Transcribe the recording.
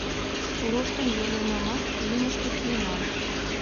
Руштын йӧрлынамат, лумышто киенам.